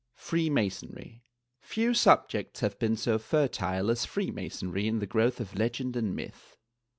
FREE MASONRY. Few subjects have been so fertile as Free Masonry in the growth of legend and myth.